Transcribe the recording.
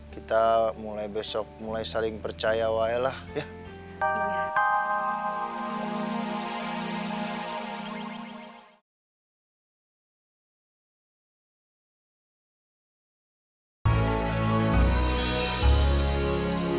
kita mulai besok mulai saling percaya waelah ya